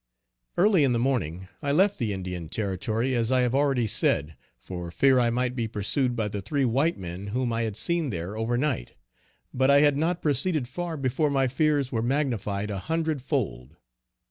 _ Early in the morning I left the Indian territory as I have already said, for fear I might be pursued by the three white men whom I had seen there over night; but I had not proceeded far before my fears were magnified a hundred fold.